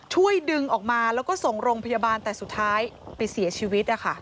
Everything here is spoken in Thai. ช่วยดึงออกมาแล้วก็ส่งโรงพยาบาลแต่สุดท้ายไปเสียชีวิต